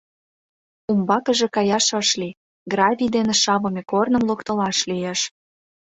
Умбакыже каяш ыш лий: гравий дене шавыме корным локтылаш лиеш.